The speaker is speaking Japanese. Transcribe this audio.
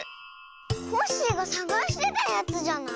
コッシーがさがしてたやつじゃない？